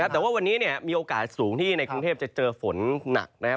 แต่ว่าวันนี้มีโอกาสสูงที่ในกรุงเทพจะเจอฝนหนักนะครับ